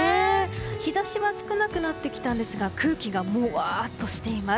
日差しは少なくなってきたんですが空気がもわっとしています。